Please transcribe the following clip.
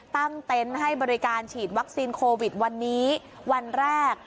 เต็นต์ให้บริการฉีดวัคซีนโควิดวันนี้วันแรก